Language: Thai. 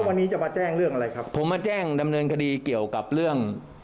วันนี้จะมาแจ้งเรื่องอะไรครับผมมาแจ้งดำเนินคดีเกี่ยวกับเรื่อง